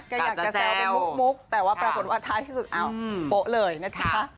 กล้าจะแซวแต่ว่าปรากฏวัติท้ายที่สุดโปะเลยนะจ๊ะ